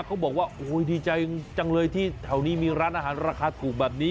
เขาบอกว่าโอ้ยดีใจจังเลยที่แถวนี้มีร้านอาหารราคาถูกแบบนี้